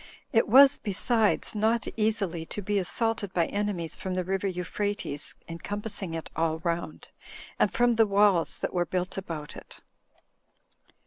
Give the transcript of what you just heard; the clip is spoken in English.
It was, besides, not easily to be assaulted by enemies, from the river Euphrates encompassing it all round, and from the wails that were built about it.